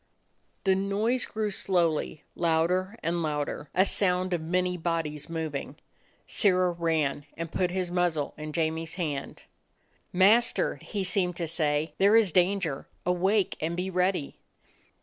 The noise grew slowly, louder and louder ; a sound of many bodies moving. Sirrah ran and put his muzzle in Jamie's hand. "Master," he seemed to say, "there is dan ger! Awake and be ready."